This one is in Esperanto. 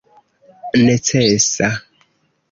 necesa